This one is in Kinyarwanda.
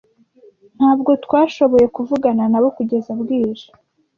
Ntabwo twashoboye kuvugana nabo kugeza bwije.